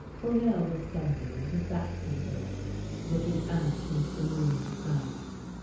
Fournel was standing with his back to the door, looking out into the moonlit night.